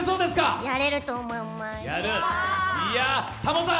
やれると思います。